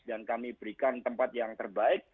dan kami berikan tempat yang terbaik